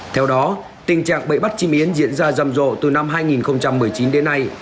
theo đó tình trạng bẫy bắt chim yến diễn ra rầm rộ từ năm hai nghìn một mươi chín đến nay